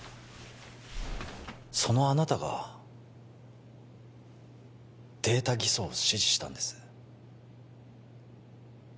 そのあなたがデータ偽装を指示したんです